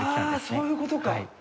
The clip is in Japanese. そういうことか。